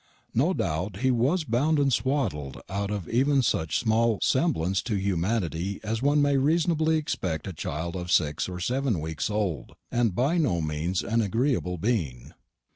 No doubt he was bound and swaddled out of even such small semblance to humanity as one may reasonably expect in a child of six or seven weeks old, and by no means an agreeable being.